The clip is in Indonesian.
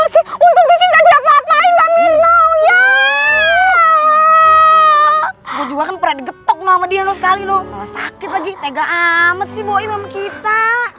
gue juga kan peranggetok nomor dia sekali lho sakit lagi tega amat sih boi kita